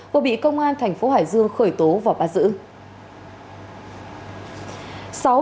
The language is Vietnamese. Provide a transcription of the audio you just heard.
vừa bị công an thành phố hải dương khởi tố và bắt giữ